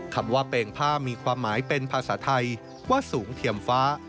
คำว่าเปงผ้ามีความหมายเป็นภาษาไทยว่าสูงเทียมฟ้า